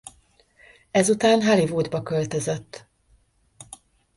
Ezután Hollywoodba költözött.